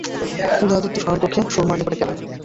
উদয়াদিত্য শয়নকক্ষে সুরমার নিকটে গেলেন।